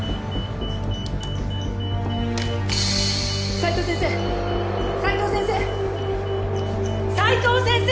・斉藤先生斉藤先生斉藤先生！